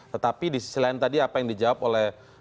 tetapi di sisi lain tadi apa yang dijawab oleh